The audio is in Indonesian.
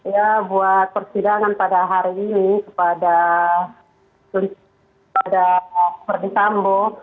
ya buat persidangan pada hari ini kepada verdi sambo